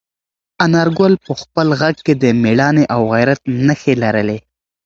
انارګل په خپل غږ کې د میړانې او غیرت نښې لرلې.